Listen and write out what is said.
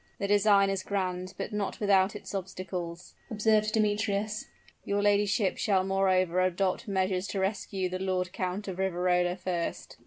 "The design is grand, but not without its obstacles," observed Demetrius. "Your ladyship will moreover adopt measures to rescue the Lord Count of Riverola first."